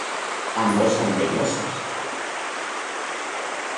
Ambos son vellosos.